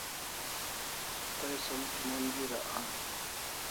Tay som kimon bira an?